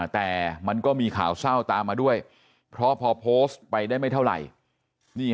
แต่มันก็มีข่าวเศร้าตามมาด้วยเพราะพอโพสต์ไปได้ไม่เท่าไหร่